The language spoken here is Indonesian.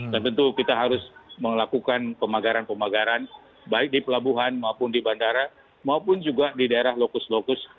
dan tentu kita harus melakukan pemagaran pemagaran baik di pelabuhan maupun di bandara maupun juga di daerah lokus lokus